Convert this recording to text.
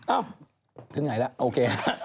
อ้าวถึงไหนแล้วโอเค